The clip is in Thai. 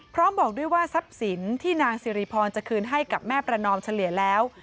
บอกด้วยว่าทรัพย์สินที่นางสิริพรจะคืนให้กับแม่ประนอมเฉลี่ยแล้ว